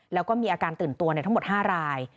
แล้วก็มีอาการตื่นตัวทั้งหมด๕ราย